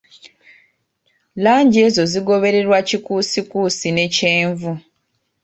Langi ezo zigobererwa kikuusikuusi ne kyenvu